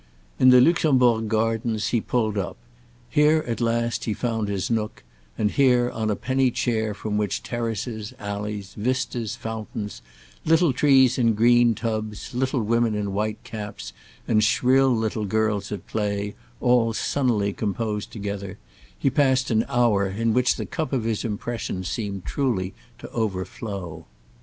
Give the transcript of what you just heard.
In the Luxembourg Gardens he pulled up; here at last he found his nook, and here, on a penny chair from which terraces, alleys, vistas, fountains, little trees in green tubs, little women in white caps and shrill little girls at play all sunnily "composed" together, he passed an hour in which the cup of his impressions seemed truly to overflow.